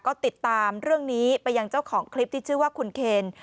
ก็ติดตามเรื่องนี้ไปยังเจ้าของคลิปที่ชื่อว่าคุณเคน